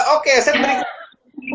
oke set berikutnya